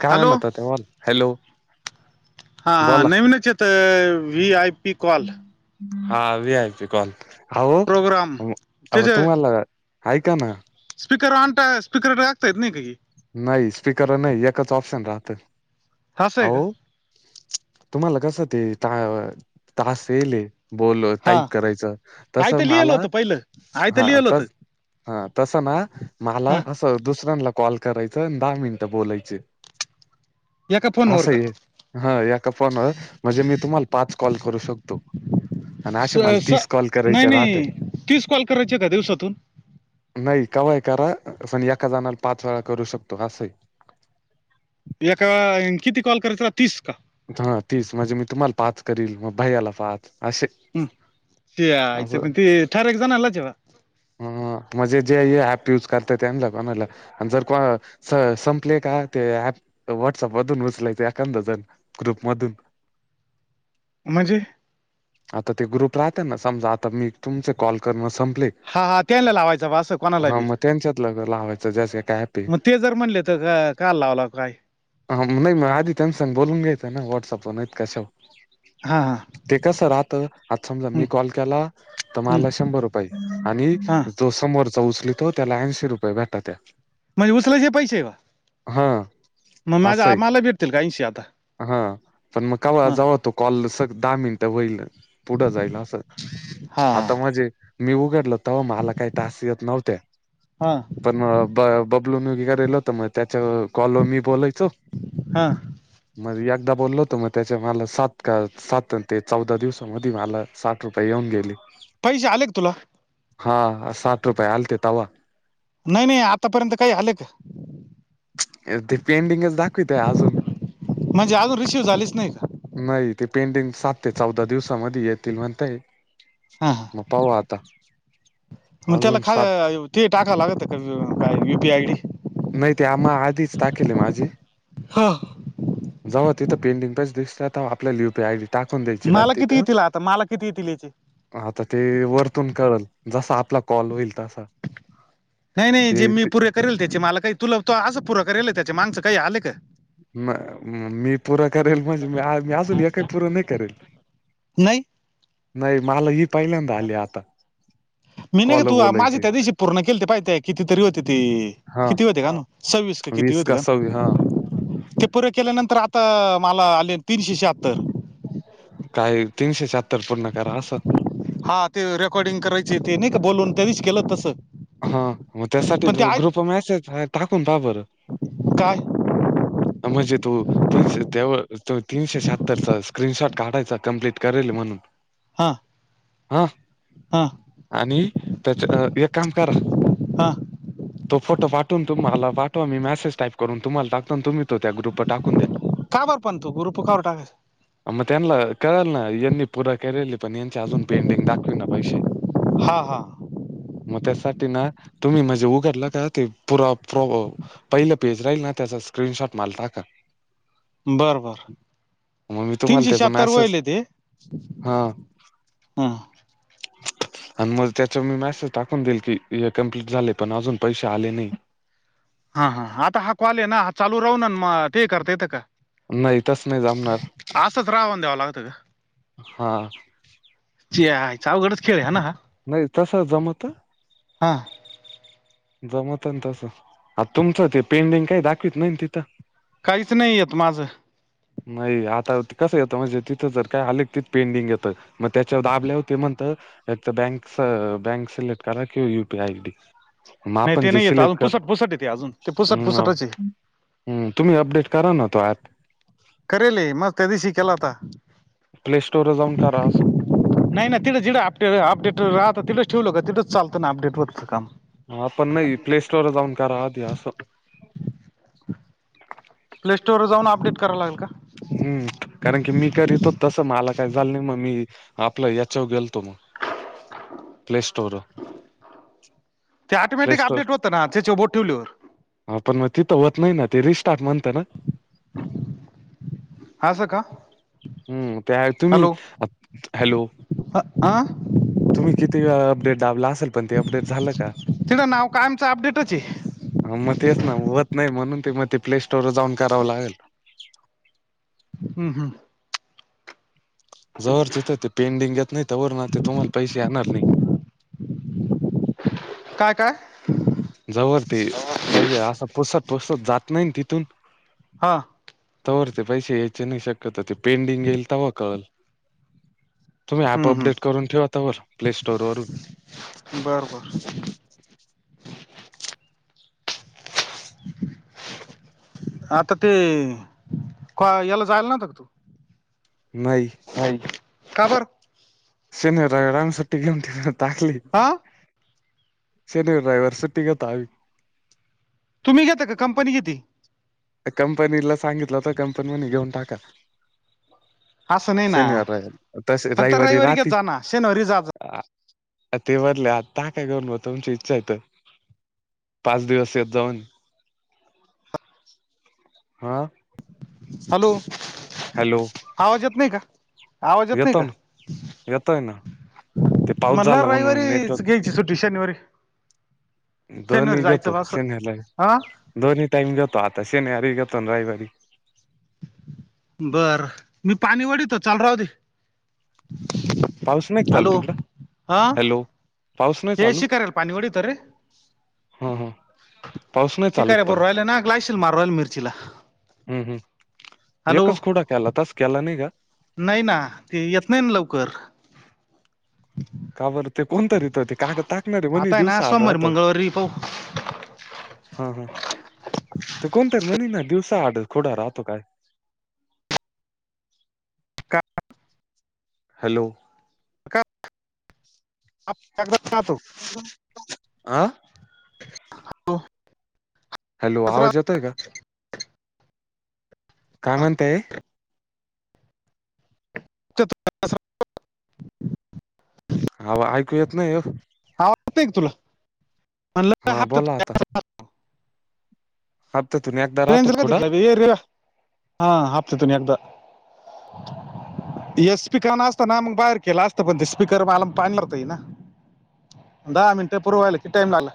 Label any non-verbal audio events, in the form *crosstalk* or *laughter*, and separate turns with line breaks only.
काय
हॅलो
म्हणत होत्या बोल. हॅलो
हा हा
बोला
नवीनच येतय, व्ही. आय. पी. कॉल.
हा, व्ही. आय. पी. कॉल. आहो,
प्रोग्राम
अव
त्याचे
तुम्हाला ऐका ना
स्पीकर ऑन टा, स्पीकर टाकता येत नाही का हे.
नाही, स्पीकरवर नाही. एकच ऑप्शन राहत.
असं आहे का
आहो तुम्हाला कस ते ता तास इयलये‌. बोलो,
हा
टाईप करायच. तस
आयतं लिहिलं
माला,
होतं पहिलं आयतं
हा
लिहिलं होतं
तस हा, तसं ना मला
हा
अस दुसऱ्यांला कॉल करायच अन दहा मिनिट बोलायच.
एका फोन वर का?
हा एका फोनवर. म्हणजे मी तुम्हाला पाच कॉल करू शकतो. आणि
स
असे मला
स
तीस कॉल
नाही
करायचे राहते
नाही तीस कॉल करायचे का दिवसातून?
नाही, कवा ही करा. पण एका जणाला पाच वेळा करू शकतो अस आहे.
एका, अन किती कॉल करायचे, तीस का?
हा तीस. म्हणजे मी तुम्हाला पाच करील. मग भैयाला पाच असे.
ते यायच,
असं
मग ते ठराविक जणांलाच आहे बवा.
अ म्हणजे जे हे ऍप युज करता त्यांना कोणाला आणि जर को संपले का ते ॲप. व्हॉट्सअप मधून उचलायचे एखांद जण. ग्रुप मधून.
म्हणजे?
आता ते ग्रुप राहत ना समजा आता मी तुमचे कॉल करण संपले
हा हा त्यांना लावायचं बा असं कोणाला बी.
हो जसं काय आपली
म ते जर म्हणले तर का का लावला काय.
हा नाही मग आधी त्यांन संग बोलून घ्यायच ना व्हॉट्सअप वरनाय कशा
हा हा!
ते कसं रहातं, आता समजा
हं,
मी कॉल केला तर
हं,
मला शंभर रुपये आणि
हा
जो समोरचा उचलितो त्याला ऐंशी रुपये भेटत त्यात.
म्हणजे उचलायचे पैसे म माझं मला भेटतील का ऐंशी आता?
ह, पण मग का
हा
जवा तो कॉल स दहा मिनिटं होईल. पुढं जाईल असं
हा
आता म्हणजे मी उघडल तंव्हा मला काय टास्क येत नव्हते.
हा!
पण ब बबलून मी निघालेलं होत मग त्याच्या कॉलवर मी बोलायचो.
हा!
मग एकदा बोललो होत मग त्याच्या मला सात का सात ते चौदा दिवसामध्ये मला सात रुपय येऊन गेले.
पैसे आले का तुला?
हा साठ रुपये आलते तवा
नाही नाही आतापर्यंत काही आले का?
ते पेंडिंगच दाखवितय अजून
म्हणजे अजून रिसिव्ह झालीच नाही का
नाही ते पेंडिंग सात ते चौदा दिवसामध्ये येतील म्हणताय?
हा हा
पाहू आता
मग त्याला
अजून
खा
सात-
ते टाका लागत का यू पी आय डी?
नाही ते आम्हा आधीच टाकील माझी.
हा!
जवा तिथं पेडिंग पच दिसत तेंव्हा आपला यू पी आयडी टाकून द्यायची
मला
रात
किती
तिथं
येतील आता माला किती येतील याचे?
आता ते वरतून कळल जसा आपला कॉल होईल तसा.
नाही नाही जे
ते
मी
ते
पूरे करेल त्याचे मला काही तुला तो असं पूरं करेल त्याचे माणसं काही आले का?
म मी पूर करेल म्हणजे मी मी अजून एक ही पूरं नाही करेल.
नाही?
नाही मला इ आले आता.
मी नाही का
कॉल
तु माझे
बोलायची
त्या दिवशी पूर्ण केले ते पाहिती किती तरी होते ती
हा
किती होते का? सव्वीस का किती
वीस
होती गा
सव्वी हा
की पुरे केल्यानंतर आता मला आले तीनशे शहात्तर.
काय तीनशे शहात्तर पूर्ण करा असं.
हा ते रेकॉर्डिंग करायचे ते नाही का बोलून ते विश केलं तसं
हा म त्यासाठी
पण ते
तु
आहेत
ग्रुपवर मॅसेज टाकून पहा बरं.
काय?
आ म्हजे तु तीनशे तेव तीनशे शहात्तरचा स्क्रीनशॉट काढायचा कम्प्लीट करेल म्हणून.
हा!
हां
हां
आणि त्याचं एक कामं करां
हा
तो फोटो पाठून तुम्हांला पाठवा मी मेसेज टाईप करूऊन तुम्हांला टाकतो तुम्हीं. त्यां ग्रुप टाकूंन द्या.
कां बरं पणं तो ग्रुप. ग्रुप वरं काढूंन टाकायचं.
मंग त्यांना कळलं नां यांनी प पुंरा केलेली पणं यांचे अजूंन पेंडिंग दाखविना पैसे.
हां हां
मंग त्यांसाठी नां तुम्हीं म्हणजे उघडलं कां ते पुरां. पहिलं पेज राहील नां त्यांचा स्क्रीनशॉट मालं टांका.
बरं बरं.
तुम्हाला
तीनशे
त्याचा
शहांत्तर
मेसेज
होयले हायं ते
हां आणि मंग त्यांच्यावर मी मॅसेज टाकूंन देईल की हे कम्प्लीट झाले पणं अजूंन पैसे आलें नाहीं
हां हां आंता हां कॉल आहे नां चालूं राहूंन मंग ते करतां येत कां.
नाही तसं नाही जमणार
असंच रावन द्यावं लांग.
हा
हिच्यां आईचा अवघडचं केलं हां नां.
नाहीं तसं जमतं.
हां.
जमतं नां तसं आं तुमचं ते पेंडिंग कांहीं दाखवतं नाहीं तिथं.
काहींचं नाहीं येतं माझं.
नाहीं आंता कसं येतं म्हणजे तिथं जरं कायं आले ते पेंडिंग येतं. मंग त्यांच्यावर दाबल्यां होते म्हणतं. एक तरं बँकच बँक-सिलेक्ट करां कि युपीआय आयडी. मंग
नाही
आपणं
ते
जे
नाही येत
सिलेक्ट
अजून
करं
पुसट पुसट येते अजून ते पुसट
हं
पुसटच आहे
हं तुम्हीं अपडेट करां नां तो ऍप.
करेल मंग त्यां दिवशी केलां होतां.
प्ले स्टोरलां जाऊंन करां असं.
नाहीं नाहीं तिथं जिं अप अपडेट राहतं तिंच ठेवलं कां तिचं चालतं नां अपडेट वरचं कामं
हां आपणं नाहीं प्ले स्टोरलां जाऊंन करां आंधी असं.
प्ले स्टोरवर जाऊं अपडेट करावं लागलं कां.
हम्मं कारणं की मी करीतो तसं मलां कांहीं झालं नाहीं मंग मी आपलं यांच्यावर गेलतो मंग. प्ले स्टोरवर.
ते ऑटोमॅटिक अपडेट होतं नां तेच्यांवर बोटं ठेवल्यांवर.
हां पणं मंग तिथं होतं नाहीं नां ते रिस्टार्ट म्हणतं नां.
असं कां.
हम्मं त्यां तुम्हीं हॅलो.
हा
तुम्हीं कितीे वेळां अपडेट दाबलां असेल. पण ते अपडेट झालं का
तिथं नांव कायमचं अपडेटच हेये.
हं मंग तेचं नां होतं नाहीं म्हणूंन ते मंग ते प्ले स्टोरवर जाऊंन करावं लागेल.
हम्मं हम्मं.
जोवर तिथं ते पेंडिंग येतं नाहीं तोवर नां तिथूंन नां तुम्हांला पैसे येणारं नाहीं.
कायं कायं.
जोवरं ते पाहिल असं पुसतं पुसतं जातं नाहीं ते तिथूंन.
हां.
तवर ते पैसे यायचे नाही शक्यतो ते पेंडिंग येईल तवा कळल. तुम्ही ऍप
हम्म,
अपडेट
हम्म.
करून ठेवा तवर प्ले स्टोर वरून.
बर, बर. आता ते क याला जायला नव्हता का तु?
नाही.
नाही. का बर?
शनिवार, रविवार सुट्टी घेऊन तिकड टाकली.
हा
शनिवार, रविवार सुट्टी घेतो आम्ही.
तुम्ही घेता का कंपनी घेती?
कंपनीला सांगितलं तर कंपनी म्हणे घेऊन टाका.
असं नाही ना
शनिवार, रविवार तसे
फक्त
रविवारी
घेत
राहाती.
जा ना शनिवारी जा जा.
ते वरले आता टाका घवुन ब तुमची इच्छा येत पाच दिवस येत जाऊन. हा.
हॅलो.
हॅलो
आवाज येत नाही का? आवाज येत नाही
येतो
का?
ना येतोय ना ते पाऊस
म्हणला
झाला
रविवारी
म्हणून नेटवर्क
घ्यायची सुट्टी शनिवारी?
दोन्ही
शनिवारी
घेतो
जायचं बा असं
शनिवारी,
हा
रविवारी दोन्ही टाईम घेतो आता शनिवारी घेतो रविवारी.
बर मी पाणी वढितो चालू राहुदे.
पाऊस नाही का चालु तिकडं हॅलो. पाऊस नाही
ते शिखराचे पाणीवडी तोरे.
हम्म, हम्म.
शिकार भरु राहिल्यान गॅशिल मारु राहिलो मिर्चीला.
हम्म, हम्म. एकाच कुडा केला तस केला नाही का?
नाही ना ते येत नाही ना लवकर.
का बर ते कोणतरीेत ते का कागद टाकणारे म्हणे
आता आहे ना
दिवसा आड
सोमवारी
राहत.
मंगळवारी पाहू
हा हा ते कोणतरी म्हणे ना दिवसा आड खुडा राहतो काय.
का
हॅलो.
कादाम ना तो *inaudible*
आं.
होा *inaudible*
हॅलो आवाज येतोय का? काय म्हणतेय?
चतु *inaudible*
हव ऐकू येत नाही हो.
आवाज येतोय का तुला म्हणलं
हा बोला
हप्त्यातून एक
आता हप्त्यातून एकदा.
शनिवारी
राहतो
येतात
खुडा
का रविवारी ये हा हप्त्यातून एकदा.
ह *inaudible*
ये स्पीकर ना असतं ना मग बाहेर केला असतं पण ते स्पीकर म आला पाणी नेत्यांना. दहा मिनटे पुर्वाहिला किती टाईम झाला.